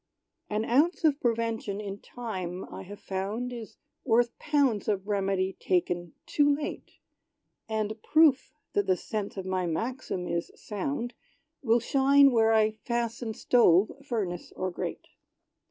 An ounce of prevention in time, I have found, Is worth pounds of remedy taken too late! And proof that the sense of my maxim is sound, Will shine where I fasten stove, furnace or grate.